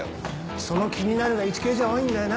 その「気になる」がイチケイじゃ多いんだよな。